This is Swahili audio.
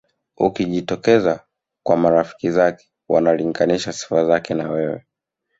Ukijitokeza kwa marafiki zake wanalinganisha sifa zake na wewe